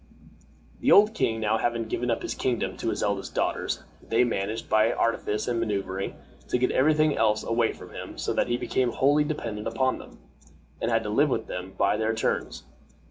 The old king now having given up his kingdom to his eldest daughters, they managed, by artifice and maneuvering, to get every thing else away from him, so that he became wholly dependent upon them, and had to live with them by turns.